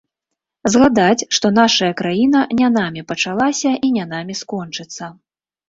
Згадаць, што нашая краіна не намі пачалася і не намі скончыцца.